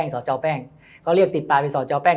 สอจอแป้ง